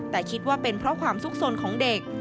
แต่คิดว่าเป็นเพราะความสุขสนของเด็ก